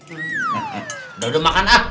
udah udah makan ah